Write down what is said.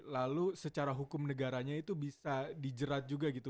lalu secara hukum negaranya itu bisa dijerat juga gitu